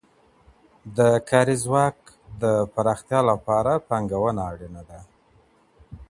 د کار ځواک د پراختیا لپاره پانګونه اړینه ده.